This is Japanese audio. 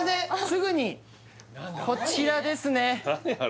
すぐにこちらですね何？